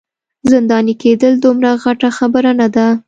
زنداني کیدل دومره غټه خبره نه ده.